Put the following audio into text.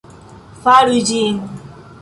Faru ĝin.